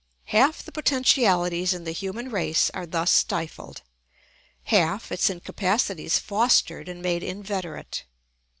Half the potentialities in the human race are thus stifled, half its incapacities fostered and made inveterate.